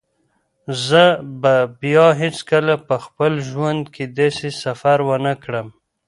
زه به بیا هیڅکله په خپل ژوند کې داسې سفر ونه کړم.